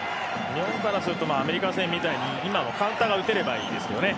日本からするとアメリカ戦みたいにカウンターがとれればいいですね。